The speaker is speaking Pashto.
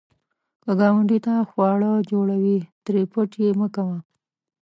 که ګاونډي ته خواړه جوړوې، ترې پټ یې مه کوه